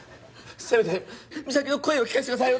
せめて実咲の声を聞かせてください